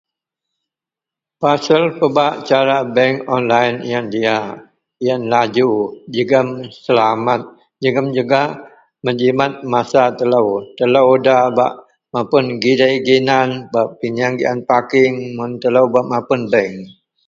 Pasel pebak cara bank online yen diak, yen laju jegum selamet, jegum gak mejemet masa telo, telo da bak mapun gidi ginan bak pinyeang gean parking, mun telo bak mapun bank.